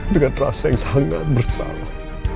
dengan rasa yang sangat bersalah